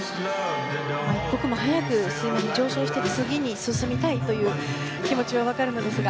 一刻も早く、水面に上昇して次に進みたいという気持ちは分かるのですが。